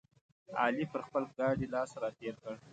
علي پر خپل ګاډي لاس راتېر کړ.